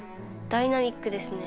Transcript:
ダイナミックですね。